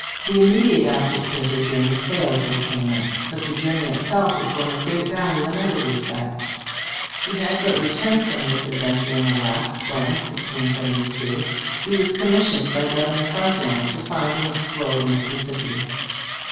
The immediate object of the journey failed of attainment, but the journey itself was one of great value in other respects He had but returned from this adventure in the West when (1672) he was commissioned by Governor Frontenac to find and explore the Mississippi.